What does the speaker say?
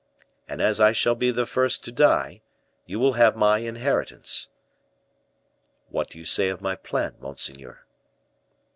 And as I shall be the first to die, you will have my inheritance. What do you say of my plan, monseigneur?"